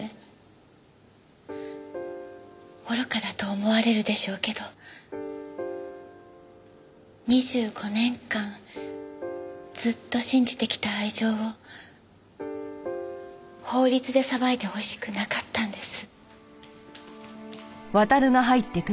愚かだと思われるでしょうけど２５年間ずっと信じてきた愛情を法律で裁いてほしくなかったんです。